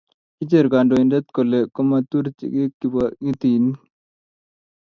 kicher kandoindet kole komaturikchi kibokitin